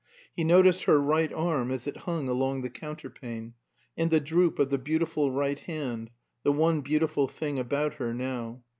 He noticed her right arm as it hung along the counterpane, and the droop of the beautiful right hand the one beautiful thing about her now.